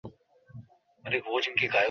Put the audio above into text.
আজ কাজ জলদি শেষ হয়ে গেছে।